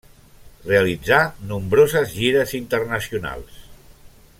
Realitzà nombroses gires internacionals.